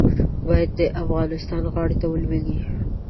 باید د افغانانو غاړې ته ولوېږي.